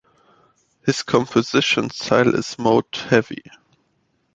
His composition style is mode heavy.